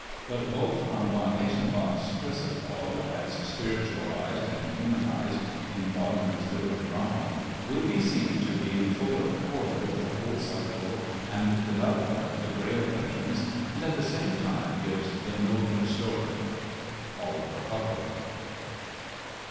But Wolfram von Eschenbach's Persifal, as spiritualised and humanised in Wagner's lyric drama, will be seen to be in fuller accord with the whole cycle and development of the Grail legends, and at the same time gives the nobler story."—OLIVER HUCKEL.